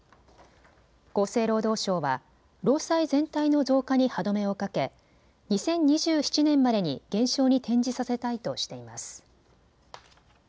厚生労働省は労災全体の増加に歯止めをかけ、２０２７年までに減少に転じさせたいとしています。